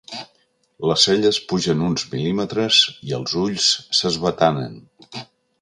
Les celles pugen uns mil·límetres i els ulls s'esbatanen.